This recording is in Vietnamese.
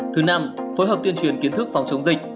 thứ năm phối hợp tuyên truyền kiến thức phòng chống dịch